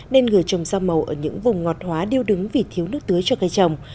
nên người trồng rau màu ở những vùng ngọt hóa điêu đứng vì thiếu nước tưới cho cây trồng